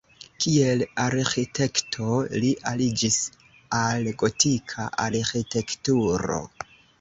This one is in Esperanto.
Kiel arĥitekto li aliĝis al gotika arĥitekturo.